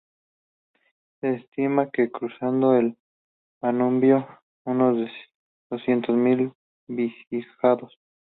Se estima que cruzaron el Danubio unos doscientos mil visigodos.